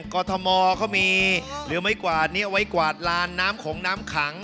กรทมเขามีเหลือไม้กวาดนี้เอาไว้กวาดลานน้ำขงน้ำขัง